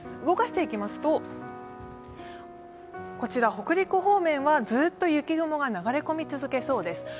動かしていきますと、こちら北陸方面はずっと雪雲が流れ込み続けそうです。